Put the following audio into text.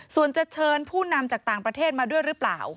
ส่วนจะเชิญผู้นำจากต่างประเทศมาด้วยหรือเปล่า